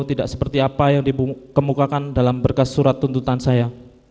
tidak seperti apa yang dikemukakan dalam berkas surat tuntutan saya